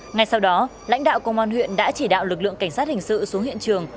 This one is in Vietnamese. ngay sau đó lãnh đạo công an huyện đã chỉ đạo lực lượng cảnh sát hình sự xuống hiện trường